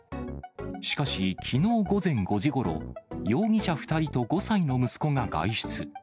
しかし、きのう午前５時ごろ、容疑者２人と５歳の息子が外出。